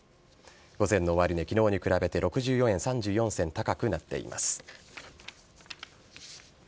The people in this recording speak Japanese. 午前の終値昨日に比べて６４円３４銭高くなっています。